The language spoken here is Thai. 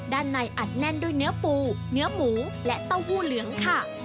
ด้านในอัดแน่นด้วยเนื้อปูเนื้อหมูและเต้าหู้เหลืองค่ะ